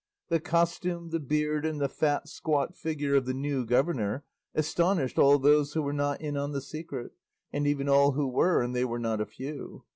The costume, the beard, and the fat squat figure of the new governor astonished all those who were not in on the secret, and even all who were, and they were not a few.